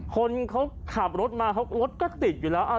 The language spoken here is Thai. คนเขาขับรถมารถก็ติดอยู่แล้ว